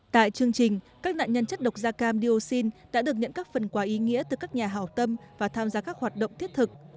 tại chương trình các nạn nhân chất độc da cam dioxin đã được nhận các phần quà ý nghĩa từ các nhà hào tâm và tham gia các hoạt động thiết thực